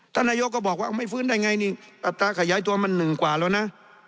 นายกก็บอกว่าไม่ฟื้นได้ไงนี่อัตราขยายตัวมันหนึ่งกว่าแล้วนะ